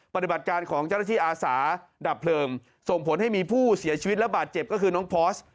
ปฏิบัติการของเจ้าหน้าที่อาสาดับเพลิงส่งผลให้มีผู้เสียชีวิตและบาดเจ็บก็คือน้องพอร์ส